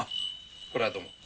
これはどうも。